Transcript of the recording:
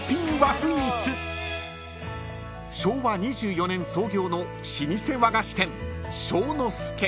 ［昭和２４年創業の老舗和菓子店］